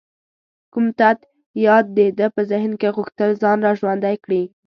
کوم تت یاد د ده په ذهن کې غوښتل ځان را ژوندی کړي.